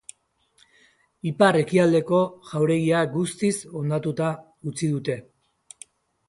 Ipar-ekialdeko jauregia guztiz hondatuta utzi dute.